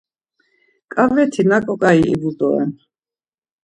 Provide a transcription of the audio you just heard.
Ǩaveti naǩo ǩai ivu doren.